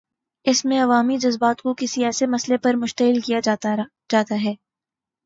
اس میں عوامی جذبات کو کسی ایسے مسئلے پر مشتعل کیا جاتا ہے۔